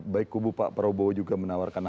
baik kubu pak prabowo juga menawarkan